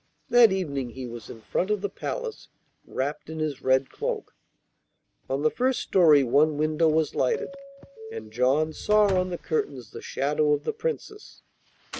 That evening he was in front of the palace, wrapped in his red cloak. On the first story one window was lighted, and John saw on the curtains the shadow of the Princess.